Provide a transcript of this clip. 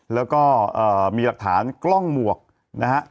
แล้วก็มีหลักฐานกล้องหมวกนะฮะ